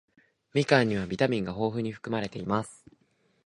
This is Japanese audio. みかんにはビタミンが豊富に含まれています。